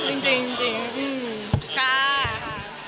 ชอบจริงช้าอาหาร